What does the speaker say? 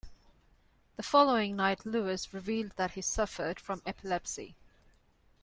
The following night, Lewis revealed that he suffered from epilepsy.